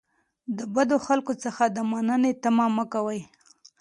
د بدو خلکو څخه د مننې تمه مه کوئ.